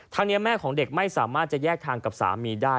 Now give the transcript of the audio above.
นี้แม่ของเด็กไม่สามารถจะแยกทางกับสามีได้